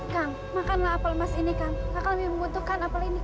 kami akan membutuhkan apel ini